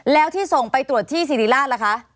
แล้วที่ส่งไปตรวจที่สิริราชล่ะคะ